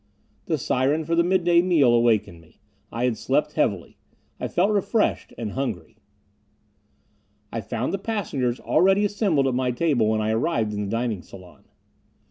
The siren for the mid day meal awakened me. I had slept heavily. I felt refreshed. And hungry. I found the passengers already assembled at my table when I arrived in the dining salon.